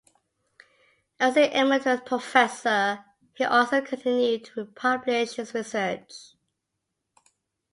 As an emeritus professor he also continued to publish his research.